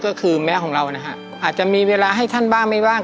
ก็คือแม่ของเรานะฮะอาจจะมีเวลาให้ท่านบ้างไม่บ้าง